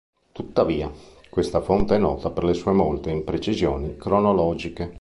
Tuttavia, questa fonte è nota per le sue molte imprecisioni cronologiche.